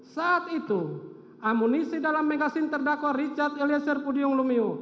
saat itu amunisi dalam megasin terdakwa richard eliezer pudium lumiu